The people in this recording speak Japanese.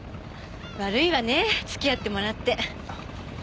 悪いわね付き合ってもらって。